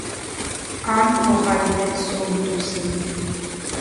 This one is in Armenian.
Ան փոխարինեց սոլիտուսին։